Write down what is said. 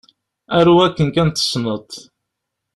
Aru akken kan tessneḍ.